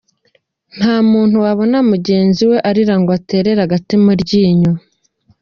Nta muntu wabona mugenzi we arira ngo aterere agati mu ryinyo.